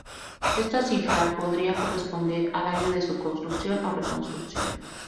Esta cifra podría corresponder al año de su construcción o reconstrucción.